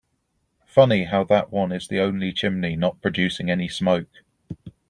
Funny how that one is the only chimney not producing any smoke.